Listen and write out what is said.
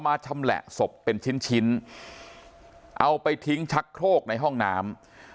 เอามาสเป็นชิ้นเอาไปในห้องน้ำ